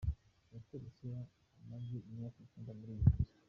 Yatorotse amaze imyaka icyenda muri gereza.